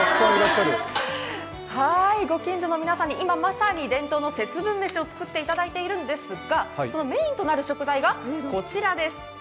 ご近所の皆様に、今まさに伝統の節分飯を作っていただいているんですがそのメインとなる食材がこちらです。